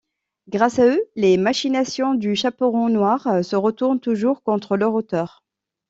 Grâce à eux, les machinations du Chaperon noir se retournent toujours contre leur auteur.